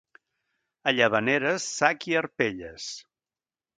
A Llavaneres, sac i arpelles.